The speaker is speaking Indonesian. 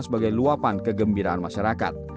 sebagai luapan kegembiraan masyarakat